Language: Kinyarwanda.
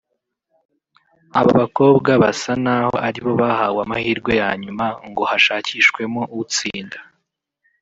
Aba bakobwa basa naho aribo bahawe amahirwe ya nyuma ngo hashakishwemo utsinda